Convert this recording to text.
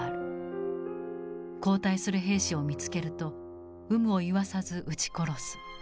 後退する兵士を見つけると有無を言わさず撃ち殺す。